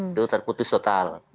itu terputus total